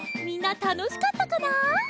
みんなたのしかったかな？